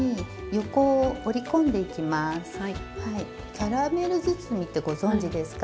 「キャラメル包み」ってご存じですか？